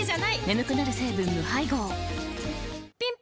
眠くなる成分無配合ぴん